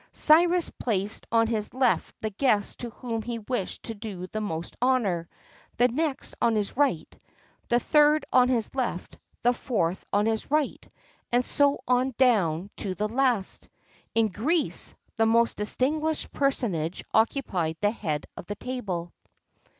Cyrus placed on his left the guest to whom he wished to do the most honour, the next on his right, the third on the left, the fourth on the right, and so on, down to the last.[XXXII 59] In Greece, the most distinguished personage occupied the head of the table.